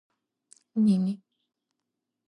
ნინი